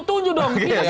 kita kan nunggu